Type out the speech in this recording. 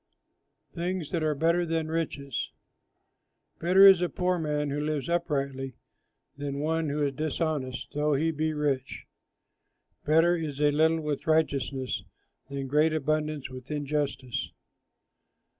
THINGS THAT ARE BETTER THAN RICHES Better is a poor man who lives uprightly Than one who is dishonest, though he be rich. Better is a little with righteousness Than great abundance with injustice.